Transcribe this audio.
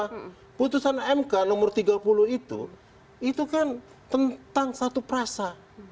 karena putusan mk nomor tiga puluh itu itu kan tentang satu perasa